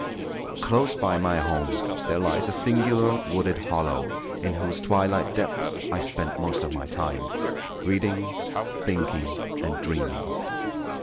Close by my home there lies a singular wooded hollow, in whose twilight deeps I spent most of my time; reading, thinking, and dreaming.